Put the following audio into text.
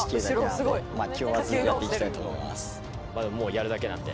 やるだけなんで。